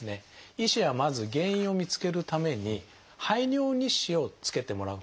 医師はまず原因を見つけるために排尿日誌をつけてもらうことを勧めています。